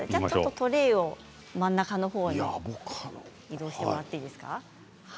トレーを真ん中の方に移動してもらっていいですか。